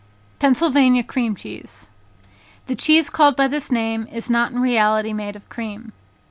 Pennsylvania Cream Cheese. The cheese called by this name is not in reality made of cream.